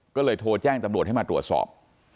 ก็เลยโทรแจ้งตำรวจให้มาตรวจสอบ